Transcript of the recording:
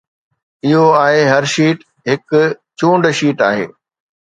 اهو آهي، هر شيٽ هڪ چونڊ شيٽ آهي